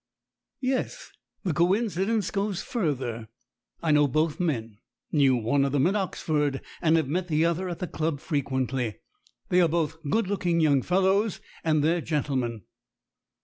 "Yes, the coincidence goes further; I know both men knew one of them at Oxford, and have met the other at the club frequently. They are both good looking young fellows, and they're gentlemen."